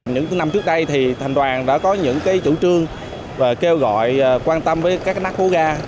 những năm trước đây thì thành đoàn đã có những chủ trương và kêu gọi quan tâm với các nát hố ga